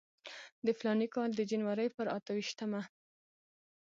د فلاني کال د جنورۍ پر اته ویشتمه.